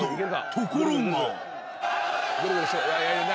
ところが。